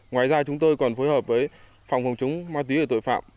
ngoài ra chúng tôi còn phối hợp với phòng phòng chống ma túy và tội phạm